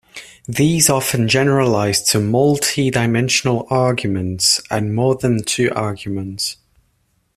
These often generalize to multi-dimensional arguments, and more than two arguments.